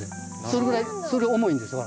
それぐらい重いんですわ。